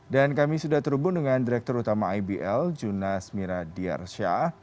dan kami sudah terhubung dengan direktur utama ibl junas miradir shah